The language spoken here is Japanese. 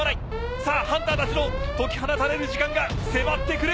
さあハンターたちの解き放たれる時間が迫ってくる。